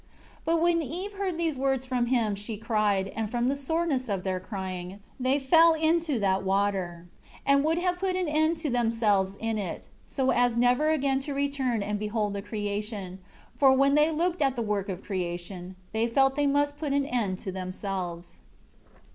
9 But when Eve heard these words from him, she cried; and from the soreness of their crying, they fell into that water; and would have put an end to themselves in it, so as never again to return and behold the creation; for when they looked at the work of creation, they felt they must put an end to themselves.